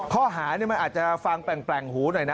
ข้อหานี่มันอาจจะฟังแปลงหูหน่อยนะ